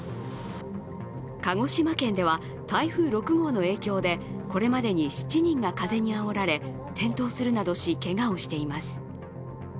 鹿児島県では台風６号の影響でこれまでに７人が風にあおられ転倒するなどし、けがをしています。